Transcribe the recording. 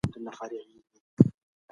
لوستې مور د پاکو لوښو کارول ضروري ګڼي.